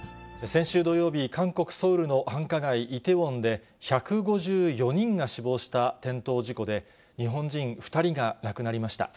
先週土曜日、韓国・ソウルの繁華街、イテウォンで１５４人が死亡した転倒事故で、日本人２人が亡くなりました。